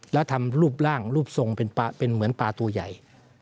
แล้วทำรูปร่างรูปทรงเป็นเหมือนปลาตัวใหญ่